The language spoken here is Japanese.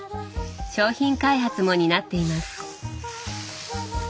商品開発も担っています。